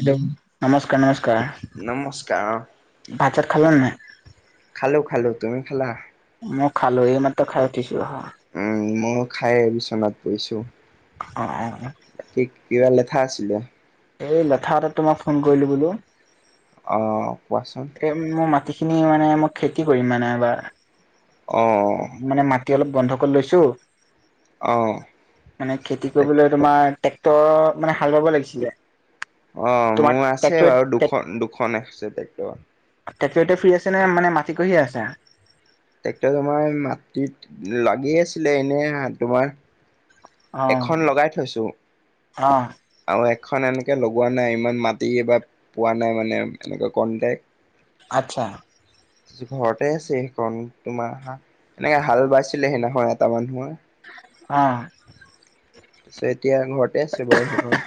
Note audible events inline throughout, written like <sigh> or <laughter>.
Hello নমস্কাৰ নমস্কাৰ নমস্কাৰ ভাতাত খালে নাই খালো খালো তুমি খালা মোৰ খালো এই মাত খাই উঠিছোহ উম মইো খাই বিচনাত পৰিছো অঁ অঁ অঁ কিবা লেখা আছিলে এই লথাাটত তো মম ফোন কৰিলো বোলো অ', কোৱাচোন মোৰ মাটি খিনি মানে মই খেতি কৰিম মানে এবাৰ অ মানে মাটি অলপ গন্ধ কৰি লৈছো অ মানে খেতি টেক কৰিবলৈ তোমাৰ ট্ৰেক্টৰ মানে হাল বাব লাগিছিলে অ', তোমাৰ মোৰ আছে ট্ৰেক্টৰ বাৰু দুখন দুখন আছে টেক্টৰ তেখেতে ফ্ৰী আছে নে মানে মাটি কঢ়িয়ে আছে টেক্টৰ তোমাৰ মাটিত লাগি আছিলে এনে তোমাৰ অ এখন লগাই থৈছো অ', আৰু এখন এনেকে লগোৱা নাই ইমান মাটিব পোৱা নাই মানে এনেকুৱা কনটেক আচ্ছা, ঘৰতে আছে সেইখন তোমাৰ হা এনেকে হাল বাইছিলেহে নহয় এটা মানুহৰ অহ, তাৰপিছত এতিয়া ঘৰতে আছে বাৰু সেইখন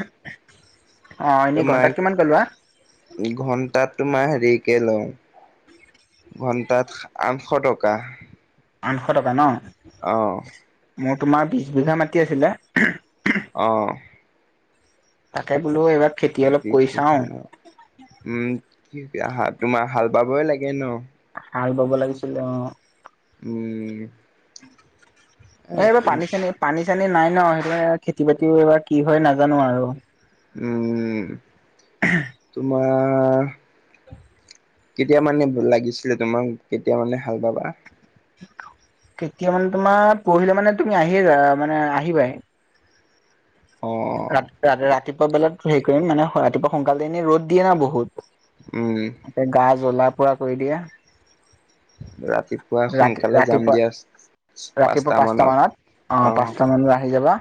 অ এনেই ত ঘন্টাত মাক কিমান কে লোৱা ঘন্টাত তোমাৰ হেৰিকে লওঁ ঘন্টাত আঠশ টকা আঠশ টকা ন অ', মোৰ, তোমাৰ বিছ বিঘা মাটি আছিলে অ', তাকে বোলোও এইবাৰ খেতি অলপ বিছ কৰি চাওঁ বিঘা ন উম কি তোমাৰ হাল বাবই লাগে ন হাল বাব লাগিছিলে অ', উম, উম, এই এইবাৰ পানী চানী পানী চানী নাই ন সেইব খেতি বাতি এইবাৰ কি হয় নাজানো আৰু উম, তু কেতিয়া মানে লাগিছিলে তোমাক কেতিয়া মানে হাল বাবা কেতিয়া মানে তোমাৰ পৰহিলে মানে তুমি আহিয়ে যা মানে আহিবাহ অ ৰা ৰাতিপুৱা বেলাত হেৰি কৰিম মানে ৰাতিপুৱা সোনকালে এনে ৰ'দ দিয়ে না বহুত উম, এ গা জ্বলা পুৰা কৰি দিয়ে ৰাতিপুৱা ৰাতি সোনকালে যাম ৰাতিপুৱা দিয়া ৰাতিপুৱা পাঁচটা মানত অ পাঁচটা মান আহি যাবা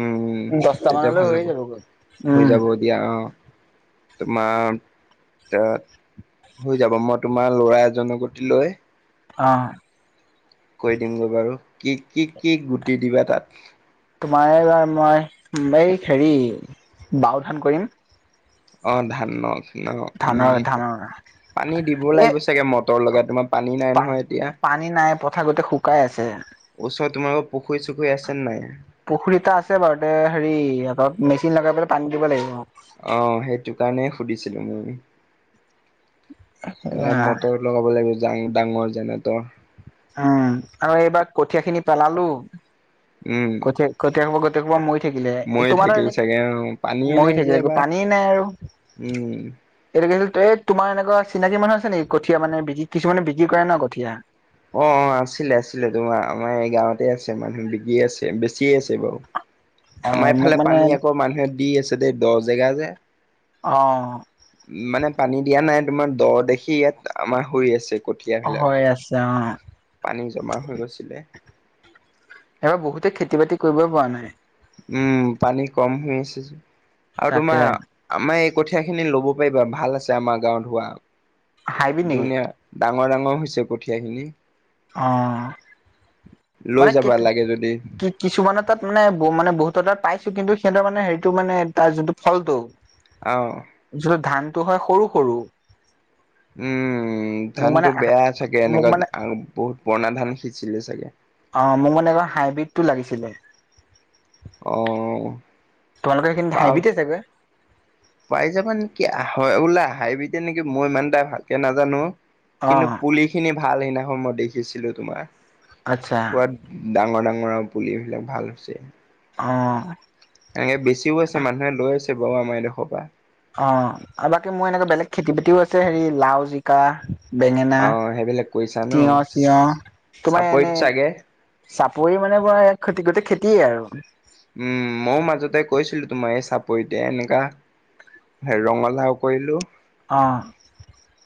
উম দশটা তেতিয়া ভাল মানলৈ হ'ব হৈয়ে যাব গ'ল উম <unintelligible> হৈ যাব মই তোমাৰ ল'ৰা এজননৰ গতি লৈ অ', কৈ দিমগৈ বাৰু কি কি কি গুটি দিবা তাত তোমাৰ এইবাৰ মই এই হেৰি বাও ধান কৰিম অ', ধান নক অ, ধানৰ উম ধানৰ পানী দিবও এ লাগিব চাগে মটৰ লগাই তোমাৰ পানী নাই পা নহয় এতিয়া পানী নাই, পথাৰ গোতে শুকাই আছে ওচৰত তোমাৰোকৰ পুখুৰী চুখুৰী আছে নাই পুখুৰী এটা আছে বাৰু তে হেৰি মেচিন লগাই পেলাই পানী দিব লাগিব অ', সেইটো কাৰণেই সুধিছিলো মই এনেকুৱা এয়া মটৰত লগাব লাগিবাং ডাঙৰ যেনে তই উম আৰু এইবাৰ কঠিয় খিনি পেলালো উম ক কথ আ ম কোবা মৰি থাকিলে মৰি তোমাৰ আৰু থাকিল এনে চাগে অ পানীয়ে নাই মৰি যে থাকিলে এক এবাৰ পানী নাই আৰু উম এইটো কছিল ত এই তোমাৰ এনেকুৱা চিনাকি মানুহ আছেেকি কঠীয়া মানে বিক কিছুমানে বিক্ৰী কৰে ন কঠীয়া অ অ আছিলে আছিলে তোমাৰ আমাৰ এই গাঁৱতে আছে মানুহ বিকি আছেে চিয় আছে বাৰু অ আমাৰ মোক এইফালে মানে পানী আকৌ মানুহে দি আছে দেই দহ জেগা যে অ মানে পানী দিয়া নাই তোমাৰ দ দেখি ইয়াত আমাৰ হৈ আছে কঠিয় অ বিিলাক হৈ আছে অ পানী জমা হৈ গৈছিলে এবাৰ বহুতে খেতি বাতি কৰিবই পৰা নাই উম পানী কম হৈ আছে যে আৰু তাকে তোমাৰ আমাৰ এই কঠীয়া খিনি ল'ব পাৰিবা ভাল আছে আমাৰ গাঁৱত হোৱা হাইব্ৰীড নেকি? ধুনীয়া ডাঙৰ ডাঙৰ হৈছে কঠীয়া খিনি অ লৈ মানে কি যাবা কি লাগে যদি কি কিছুমানৰ তাত মানে মানে বহুত তাত পাইছো কিন্তু সিহঁতৰ মানে হেৰিটো মানে তাৰ যোনটো ফলটো অ যিটো ধানতটো হয় সৰু সৰু উম মোক মানে ধানতো বেয়া চাগে মোক মানে এনেকুৱা বহুত পুৰণা ধান সিচিলে চাগে অ মোক মানে এখন হাইব্ৰীড টো লাগিছিলে অ তোমালোকেেইখিনি পাৰ হাঁহিতে চাগৈ পাই যাবা নেকি ওলাই আহিবিতিয়া নেকি মই ইমান তাই ভালকে নাজানো অ কিন্তু পুলি খিনি ভাল সিদিনাখন মই দেখিছিলো তোমাৰ আচ্ছা প ডাঙৰ ডাঙৰ আৰু পুলি এইবিলাক ভাল হৈছে আহ এনেকে বেছিও আছে মানুহে লৈ আছে বাৰু আমাৰ এইডোখৰ পৰা অ আৰু বাকী মোৰ এনেকুৱা বেলেগ খেতি বাতিও আছে হেৰি লাও জিকা বেঙেনা অ সেইবিলাক কৰিছা ন তিয়হ চতিয়হ তোমাৰ চাপৰিত এনে চাগে চাপৰি মানে বৰা ই খতি গোটেই খেতিয়ে আৰু উম ময়ও মাজতে কৈছিলো তোমাৰ এই চাপৰিতে এনেককাা ৰঙালাও কৰিলো অঁ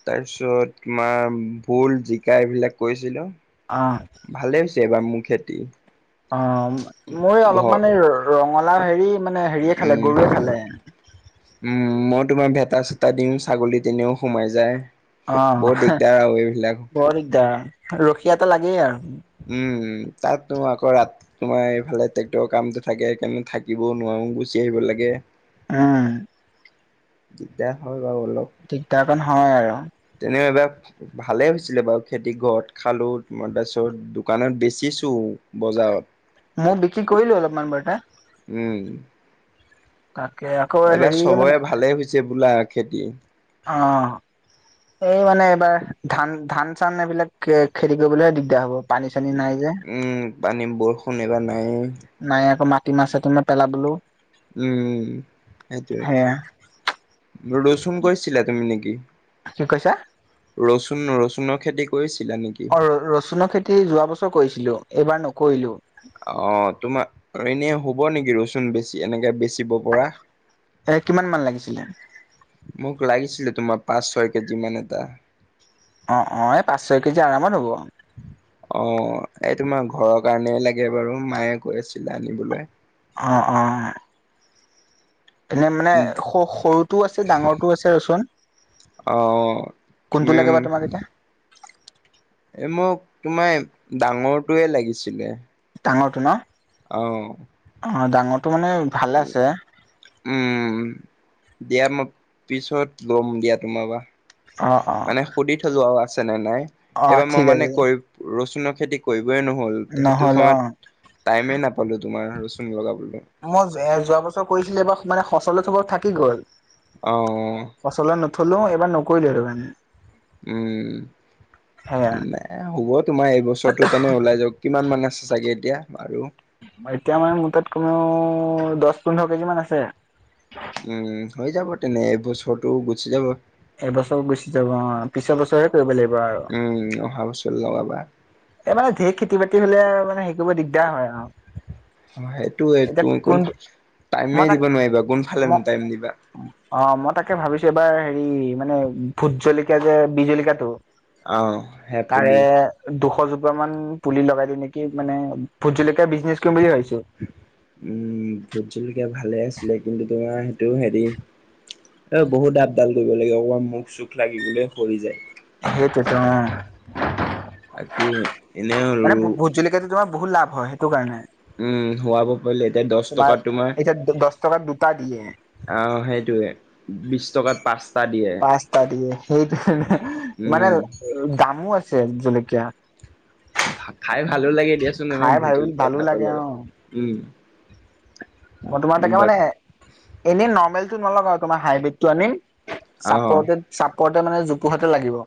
তাৰপিছত তোমাৰ ভুল জিকা এইবিলাক কৰিছিলো অহ ভালে হৈছে এইবাৰ মোৰ খেতি অ মই অলপ ঘৰ মানে ৰঙালা হেৰি মানে হেৰিয়ে খালে গৰুয়ে উম খালে উম মই তোমাৰ ভেটা চেটা দিওঁ ছাগলী তেনেও সোমাই যায় বহুত অ দিগদাৰ আৰু এইবিলাক বৰ দিগদাৰ ৰখি এটা লাগেই আৰু উম তাতনো আ কৰাত তোমাৰ এইফালে ট্ৰেক্টৰৰ কামটো থাকে সেইকাৰণে থাকিবও নোৱাৰো গুচি আহিব লাগে উম দিগদাৰ হয় বাৰু অলপ ঠিক তাৰকন হয় আৰু তেনেকবাক ভালেই হৈছিলে বাৰু খেতি ঘৰত খালোঁ তোমাৰ তাৰপিছত দোকানত বেচিছোঁ বজাৰত মই বিকি কৰিলো অলপমান বৰ্তে উম তাকে আকৌ এইবাৰ হেৰিয়ে মানে চবৰে ভালে হৈছে বোলা খেতি অ এই মানে এইবাৰ ধান ধান চান এইবিলাক খেতি কৰিবলৈহে দিগদাৰ হ'ব পানী চানী নাই যে উম পানী বৰষুণ এইবাৰ নাই এ নাই আকৌ মাটি মাহ চাতিমাহ পেলাবলেও উম সেয়া সেইটোৱে ৰচুন কৈৰিছিলা তুমি নেকি কি কৈছা ৰচুন ৰচুনৰ খেতি কৰিছিলা নেকি অ ৰচুনৰ খেতি যোৱা বছৰ কৰিছিলো এইবাৰ নকৰিলো অ তোমাৰ এনেই হ'ব নেকি ৰচুন বেছি এনেকে বেচিব পৰা? এ কিমান মান লাগিছিলে মোক লাগিছিলে তোমাৰ পাঁচ ছয় কেজি মান এটা অ অ এই পাঁচ ছয় কেজি আৰামত হ'ব অ এই তোমাৰ ঘৰৰ কাৰণেই লাগে বাৰু মায়ে কৈ আছিলে আনিবলৈ অঁ অঁ এনে মানে স সৰুটোও আছে ডাঙৰটোও আছে ৰচুন অ কোনটো লাগে মেম বা তোমাক এতিয়া এই মোক তোমাৰ ডাঙৰটোৱে লাগিছিলে ডাঙৰটো ন অ অ ডাঙৰটো মানে ভালে আছে উম দিয়া মই পিছত ল'ম দিয়া তোমাৰ পৰা অ অ মানে সুধি থলো আও আছেনে নাই অ এইবাৰ মই ঠিক মানে আছে কৰি ৰচুনৰ খেতি কৰিবই নহ'ল সেইটো নহ'ল অ সময়ত টাইমেই নাপালোঁ তোমাৰ ৰচুন লগাবলৈ মই এ যোৱা বছৰ কৰিছিলো এবাৰ মানে সচলৈ থব থাকি গ'ল অ সচলৈ নথলো এবাৰ নকৰিলো আৰু মানে সেয়া উম এ হ'ব তোমাৰ এইবছৰটো তেনে ওলাই যাওক কিমান মান আছে চাগে এতিয়া আৰু এতিয়া মানে মোৰ তাত কমেও দহ পোন্ধৰ কেজি মান আছে উম হৈ যাব তেনে এইবছৰটো গুচি যাব এবছৰ গুছি যাব ঘৰত পিছৰ বছৰ হে কৰিব লাগিব আৰু উম অহা বছৰ লগাবা এইবাৰে ঢেৰ খেতি বাতি হলে মানে হে কৰিব দিগদাৰ হয় আৰু অ সেইটোয়ে ত তুমি কোন মই টাইমে তাক দিব নোৱাৰিবা ম কোনফালেনো টাইম দিবা অ মই তাকে ভাবিছো এইবাৰ হেৰি মানে ভোত জলকীয়া যে বিহ জলকী য়াটো অ হে তাৰে পুলি দুখ দুশ‌ জোপা মান পুলি লগাই দিওঁ নেকি মানে ভোট জলকীয়া বিজনেছ কৰিম বুলি ভাবছো উম ভোত জলকীয়া ভালে আছিলে কিন্তু তোমাৰ সেইটো হেৰি এ বহুত আাপ ডাল কৰিব লাগে অকমান মুখ চুখ লাগি গলে সৰি যায় সেইটোতো‌ অ‌ বাকী মানে এনেও ভোত জলকীয়াটো তোমাৰ বহুত লাভ হয় সেইটো কাৰণে উম হোৱাব পাৰিলে এতিয়া দহ টকা তোমাৰ এতিয়া দহ টকাত দুটা দিয়ে আহ সেইটোয়ে বিশ টকাত পাঁচ পাচটা দিয়ে সেইটো মানে উম দামো আছে জলকীয়া খাই ভালো লাগে দিয়াচোন আমাৰ খাই ভাল ভূতলকীয়া ভালো লাগে ভাতৰ অ লগত উম ফটোমাত বা দেখাবানে‌ এনে নৰ্মেলটো নলগাও আৰু তোমাৰ হাইব্ৰীডটো আনিম অ চাপৰতে চাপৰতে মানে জোপোহাতে লাগিব।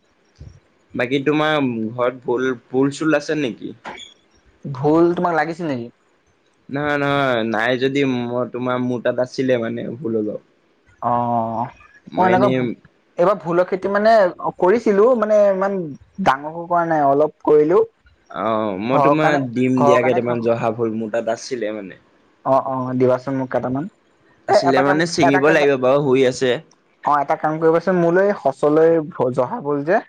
বাকী তোমাৰ ঘৰত পুল পুল, পুল চুল আছে নেকি? ভুল তোমাক লাগিছে নেকি? নহয় নহয় নাই যদি মই তোমাৰ মোৰ তাত আছিলে মানে ভুল অলপ। অ' মই এনেকুৱা এইবাৰ ভোলৰ খেতি মানে কৰিছিলোঁ, মানে ইমান ডাঙৰকে কৰা নাই অলপ কৰিলোঁ। অ' মই তোমাক দিম দিয়া, কাৰণে খাব কেইটামান জহা ভুল মোৰ তাত আছিলে মানে। অ', অ' দিবাচোন মোক কেইটামান। এ আছিলে এটা কাম মানে এটা ছিঙিব কাম লাগিব বাৰু হৈ আছে। অ' এটা কাম কৰিবচোন মোলৈ সঁচলৈ জহা ভূল যে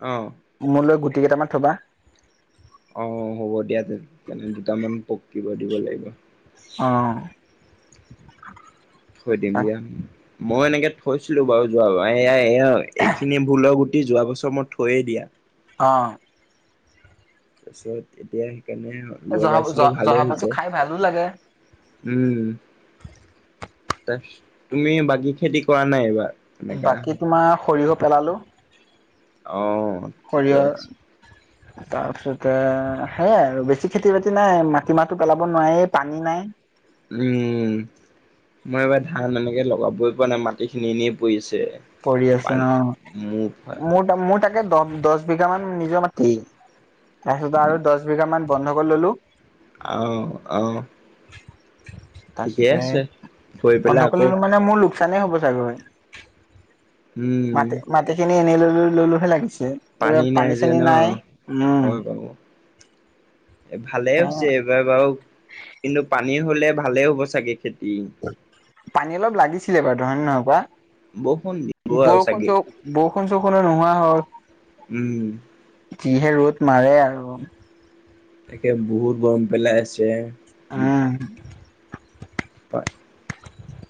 অ'। মোলৈ গুটি কেইটামান থ'বা। অ' হ'ব দিয়া, তেনে দুটামান পকিব দিব লাগিব। অ'। থৈ দিম দিয়া। মই এনেকে থৈছিলো বাৰু। যোৱা এ, এইখিনি ভুলৰ গুটি যোৱা বছৰ মই থৈয়ে দিয়া। অ'। তাৰপিছত এতিয়া সেইকাৰণে এ, জহা জ লগাইছিলো ভালে জহাভাটো হৈছে খাই ভালো লাগে। উম। তাৰ তুমি বাকী খেতি কৰা নাই এইবাৰ? এনেকা, বাকী তোমাৰ সৰিয়হ পেলালো অ' সৰিয়হ ঠিকেই আছে। <inaudible> তাৰপিছতে সেয়াই আৰু বেছি খেতি বাতি নাই, মাটিমাহটো পেলাব নোৱাৰেই পানী নাইৱ। উম, মই এইবাৰ ধান এনেকে লগাবই পৰা নাই, মাটিখিনি এনেই পৰি আছে। পৰি আছে পানী অ'। মোৰ মোৰ তাকে দহ দছ বিঘামান নিজৰ মাটি তাৰপিছত আৰু দহ বিঘামান বন্ধকত ললোঁ। আৰু আৰু তাৰপিছতে, কৰি পেলাই বন্ধকত আকৌ ললোঁ মানে মোৰ লোকচানেই হ'ব চাগৈ। উম মাটি মাটিখিনি এনেই লৈ লৈলোহে লাগিছে। এইবাৰ নাই পানী যে চানী ন নাই, উম। ভালেই হৈছে এইবাৰ বাৰু, কিন্তু পানী হ'লে ভালে হ'ব চাগে খেতি। পানী অলপ লাগিছিলে বাৰুতে হয় নহয় কোৱা? বৰষুণ দিব আৰু বৰষুণ চাগে চ বৰষুণ চৰষুণে নোহোৱা হ'ল। উম। যিহে ৰ'দ মাৰে আৰু। তাকে বহুত গৰম পেলাই আছে। উম। উপায়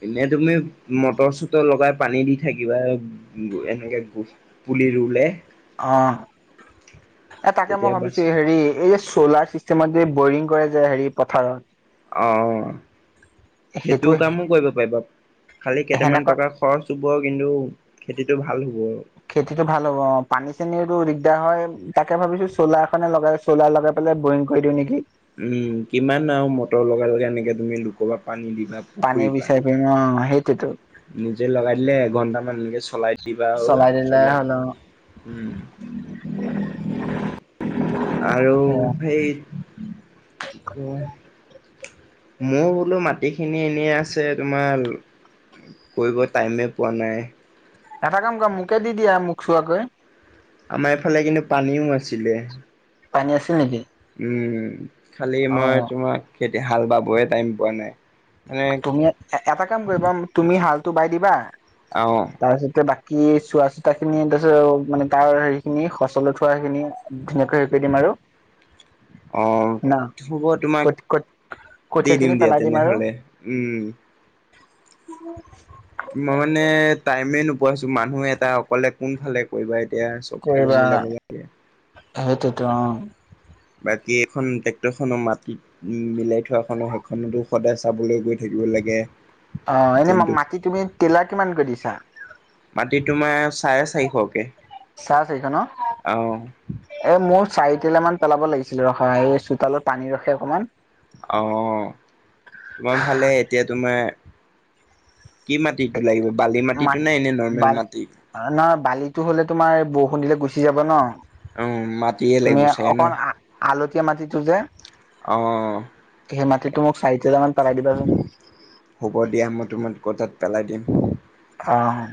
এনে তুমি মটৰ চটৰ লগাই পানী দি থাকিবা এনেকে গো পুলি ৰুলে। অ'। এ, তাকে মই তেতিয়া বাচ ভাবিছোঁ হেৰি এই যে চ'লাৰ চিষ্টেম চিষ্টেমত যে বৰিং কৰে যে হেৰি পথাৰত। অ' সেইটো কামো কৰিব পাৰিবা, খালি কেইটামান সেনেকুৱা টকা খৰচ হ'ব কিন্তু খেতিতটো ভাল হ'ব আৰু। খেতিটো ভাল হ'ব অ'। পানী চানিটো দিগদাৰ হয় তাকে ভাবিছোঁ চ'লাৰ এখনে লগাই চ'লাৰ লগাই পেলাই বৰিং কৰি দিওঁ নেকি। উম, কিমান আৰু মটৰ লগাই লগাই এনেকে তুমি লোকৰপৰা পানী দিবা। পানী পুখুৰীৰ পৰা বিচাৰি ফুৰিম, অ' সেইটোৱেইতো। নিজে লগাই দিলে এঘন্টামান এনেকে চলাই দিবা আৰু চলাই দিলে চ'লাৰ। হ'ল অ উম। <inaudible> আৰু সেয়া সেই কি মোৰ বোলো মাটিখিনি এনেই আছে তোমাৰ কৰিব টাইমে পোৱা নাই। এটা কাম কৰা মোকে দি দিয়া মোক চোৱাকৈ আমাৰ এইফালে কিন্তু পানীও আাছিলে। পানী আছে নেকি? উম, খালি অ মই তোমাক হাল বাবয় টাইম পোৱা নাই! মানে তুমি এটা কাম কৰিবা তুমি হালটো বাই দিবা। অ'। তাৰপিছতে বাকী চোৱা চিতা খিনি তাৰপিছত মানে তাৰ হেৰি খিনি খোচলে উঠোৱা খিনি ধুনীয়াকে দি দিম আৰু। অ, ন হ'ব তোমাক কঠ কঠ দি কঠীয়া দিম খিনি দিয়া, পেলাই আৰু তেনেহলে। উম। <inaudible> মই মানে টাইমে নোপোৱা হৈছো মানুহ এটা অকলে কোন ফালে কৰিবা এতিয়া। চবফালে কৰিবা মিলাব লাগে সেইটোতো অ'। বাকী এখন ট্ৰেক্টৰ খনৰ মাটি মিলাই থোৱাখন'ৰ সেইখনতো সদায় চাবলৈ গৈ থাকিব লাগে। অ, এনে মাি দিনটোত মাটি তুমি টেইলা কিমান <unintelligible> মাটি তোমাৰ চাৰে চাৰিশকে। চাহ চাৰিশ ন? আহ এ মোৰ চাৰিটলা মান পেলাব লাগিছিলে ৰখা এই চোতালত পানী ৰখে অকমান। অ, তোমাৰ ভালে এতিয়া তোমাৰ কি মাটিটো লাগিব? বালি মাটিটো মান নে এনে নৰ্মেল বাল মাটি? নহয় বালি হলে তোমাৰ বৰষুণ দিলে গুচি যাব ন। অ মাটিয়ে লাগিব তুমি চাগে ন অকন আলতীয়া মাটিটো যে অ সেই মাটিটো মোক চাৰি তোলা মান পেলাই দিবা চোন। হ'ব দিয়া মই তোমাক ক' তাত পেলাই দিম। অ'।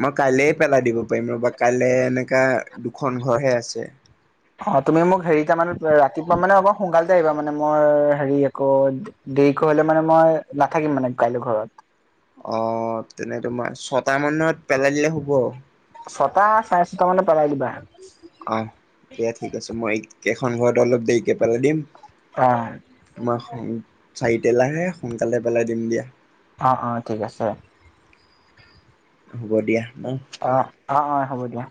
মই কাইলে পেলাই দিব পাৰিম ৰ'বা কাইলে এনেকা দুখন ঘৰ হে আছে। অ, তুমি মোক হেৰি তাৰ মানে ৰাতিপুৱা মানে অ, সোনকালতে আহিবা মানে মোৰ হেৰি আকৌ দেৰিকে হলে মানে মই নাথাকিম মানে কাইলৈ ঘৰত অ, তেনে তোমাৰ ছটা মানত পেলাই দিলে হ'ব। ছটা, চাৰে ছটা মানে পেলাই দিবা। আহ দিয়া ঠিক আছে মই কেইখন ঘৰত অলপ দেৰিকে পেলাই দিম। অ'। তোমাৰ চাৰিটলাহে সোনকালে পেলাই দিম দিয়া। অ', অ', ঠিক আছে। হ'ব দিয়া ন। অ', অ', অ', হ'ব দিয়া।